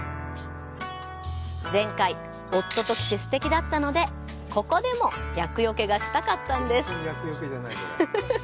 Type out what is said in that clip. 前回、夫と来てすてきだったのでここでも厄よけがしたかったんです。